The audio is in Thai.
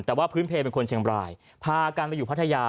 แต่ว่าพื้นเพลเป็นคนเชียงบรายพากันไปอยู่พัทยา